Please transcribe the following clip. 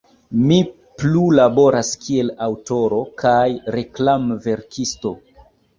Mi plu laboras kiel aŭtoro kaj reklamverkisto.